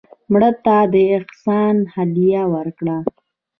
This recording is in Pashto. مړه ته د احسان هدیه وکړه